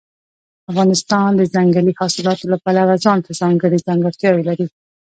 افغانستان د ځنګلي حاصلاتو له پلوه ځانته ځانګړې ځانګړتیاوې لري.